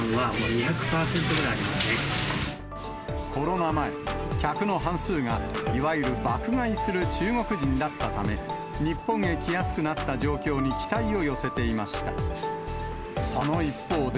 コロナ前、客の半数が、いわゆる爆買いする中国人だったため、日本へ来やすくなった状況に期待を寄せていました。